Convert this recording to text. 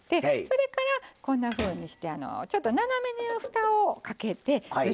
それからこんなふうにしてちょっと斜めにふたをかけてずらしてのせます。